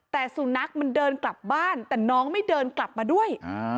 แต่สุนัขมันเดินกลับบ้านแต่น้องไม่เดินกลับมาด้วย